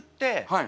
はい。